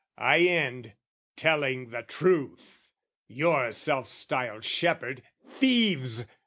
I end, Telling the truth! Your self styled shepherd thieves!